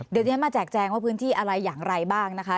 เดี๋ยวที่ฉันมาแจกแจงว่าพื้นที่อะไรอย่างไรบ้างนะคะ